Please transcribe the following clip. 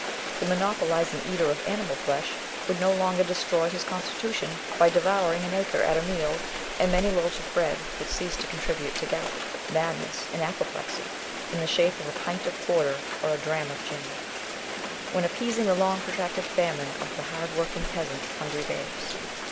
The monopolising eater of animal flesh would no longer destroy his constitution by devouring an acre at a meal, and many loaves of bread would cease to contribute to gout, madness, and apoplexy, in the shape of a pint of porter or a dram of gin, when appeasing the long protracted famine of the hard working peasant's hungry babes.